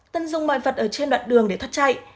tân dùng mọi vật ở trên đoạn đường để thoát chạy